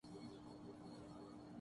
حالات کی تلخی عجیب شے ہے۔